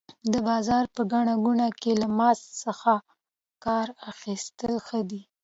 د بازار په ګڼه ګوڼه کې له ماسک څخه کار اخیستل ښه دي.